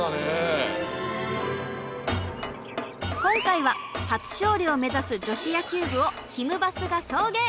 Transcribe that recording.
今回は初勝利を目指す女子野球部をひむバスが送迎！